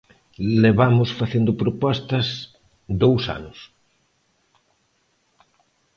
Levamos facendo propostas dous anos.